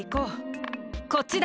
こっちだ。